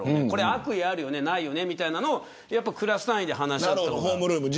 悪意、あるよねないよねというのをクラス単位で話し合って。